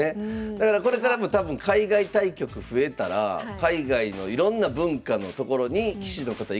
だからこれからも多分海外対局増えたら海外のいろんな文化の所に棋士の方いかれると思う。